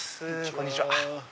こんにちは。